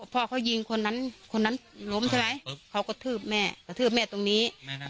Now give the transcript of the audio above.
พ่อเขายิงคนนั้นคนนั้นล้มใช่ไหมเขากระทืบแม่กระทืบแม่ตรงนี้